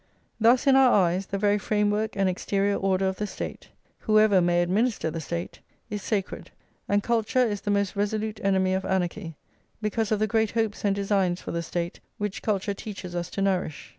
Thus, in our eyes, the very framework and exterior order of the State, whoever may administer the State, is sacred; and culture is the most resolute enemy of anarchy, because of the great hopes and designs for the State which culture teaches us to nourish.